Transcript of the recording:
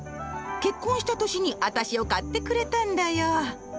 結婚した年にアタシを買ってくれたんだよ。